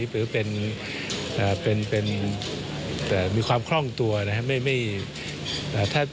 หรือเป็นค่องตัวนะครับ